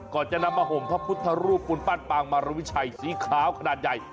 ก่อนจะนำมาห่มพระพุทธรูปปูนปั้นปางมารวิชัยสีขาวขนาดใหญ่